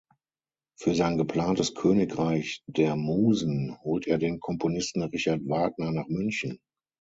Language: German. Für sein geplantes Königreich der Musen holt er den Komponisten Richard Wagner nach München.